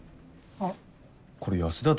あっ。